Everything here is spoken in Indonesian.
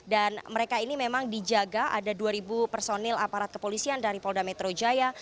dan mereka ini memang dijaga ada dua ribu personil aparat kepolisian dari polda metro jaya